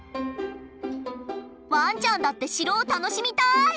ワンちゃんだって城を楽しみたい！